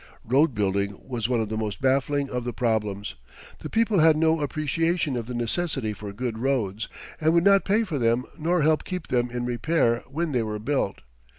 Road building was one of the most baffling of the problems. The people had no appreciation of the necessity for good roads, and would not pay for them nor help keep them in repair when they were built.